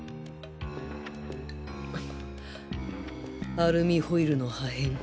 アルミホイルの破片？